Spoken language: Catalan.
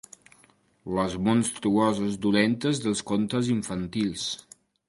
Les monstruoses dolentes dels contes infantils.